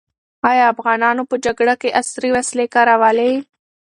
ایا افغانانو په جګړه کې عصري وسلې کارولې؟